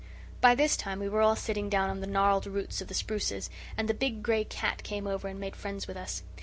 By this time we were all sitting down on the gnarled roots of the spruces, and the big gray cat came over and made friends with us.